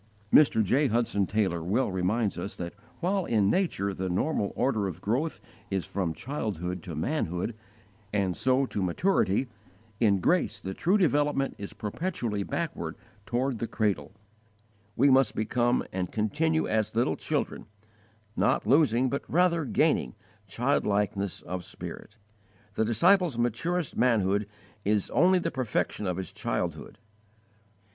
Mr. J. Hudson Taylor well reminds us that while in nature the normal order of growth is from childhood to manhood and so to maturity, in grace the true development is perpetually backward toward the cradle: we must become and continue as little children, not losing, but rather gaining, childlikeness of spirit. The disciple's maturest manhood is only the perfection of his childhood.